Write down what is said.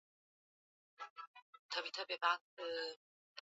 Sokomutu aikalaki na mukia